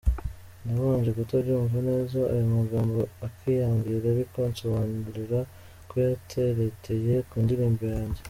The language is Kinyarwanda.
Nabanje kutabyumva neza ayo magambo akiyambwira ariko ansobanurira ko yatereteye ku ndirimbo yanjye.